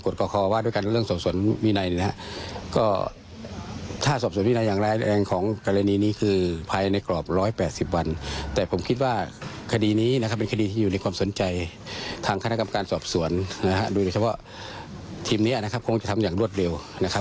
แทบสรุปจำนวนโดยรวดเร็ว